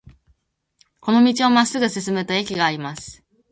この道をまっすぐ進むと駅があります。